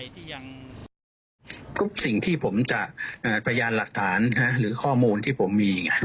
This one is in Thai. ที่ยังทุกสิ่งที่ผมจะพยานหลักฐานหรือข้อมูลที่ผมมี